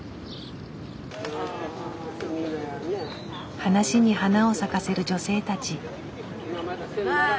話に花を咲かせる女性たち。